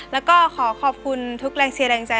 แล้วก็ขอขอบคุณทุกแรงเชียร์แรงใจ